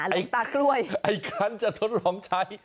หลวงตากล้วยไอ้คันจะทดลองใช้